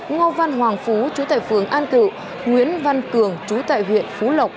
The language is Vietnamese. ngo văn hoàng phú chú tại phường an cự nguyễn văn cường chú tại huyện phú lộc